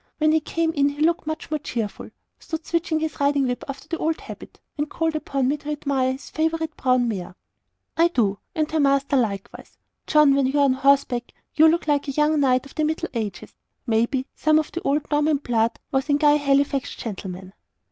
When he came in he looked much more cheerful stood switching his riding whip after the old habit, and called upon me to admire his favourite brown mare. "I do; and her master likewise. John, when you're on horseback you look like a young knight of the Middle Ages. Maybe, some of the old Norman blood was in 'Guy Halifax, gentleman.'"